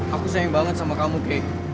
aku sayang banget sama kamu kayak